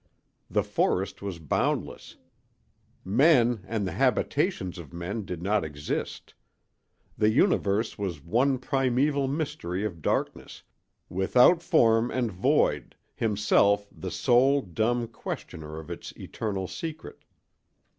The forest was boundless; men and the habitations of men did not exist. The universe was one primeval mystery of darkness, without form and void, himself the sole, dumb questioner of its eternal secret.